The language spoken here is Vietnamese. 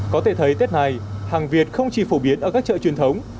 có thể thấy tết này hàng việt không chỉ phổ biến ở các chợ truyền thống